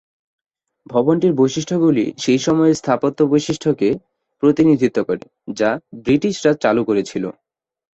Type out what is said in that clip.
ভবনটির বৈশিষ্ট্যগুলি সেই সময়ের স্থাপত্য বৈশিষ্ট্যকে প্রতিনিধিত্ব করে যা ব্রিটিশরা চালু করেছিল।